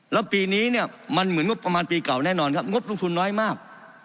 แล้วปีนี้เนี่ยมันเหมือนงบประมาณปีเก่าแน่นอนครับงบลงทุนน้อยมาก